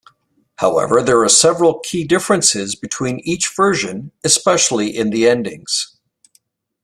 However, there are several key differences between each version, especially in the endings.